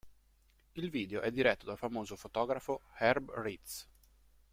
Il video è diretto dal famoso fotografo Herb Ritts.